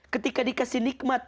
ketika dikasih nikmat